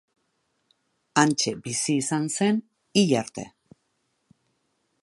Hantxe bizi izan zen hil arte.